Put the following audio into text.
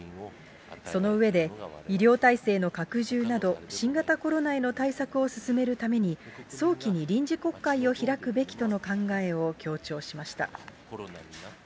その上で、医療体制の拡充など、新型コロナへの対策を進めるために、早期に臨時国会を開くべきとの考えを強調しました。